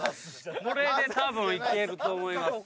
これでたぶんいけると思います。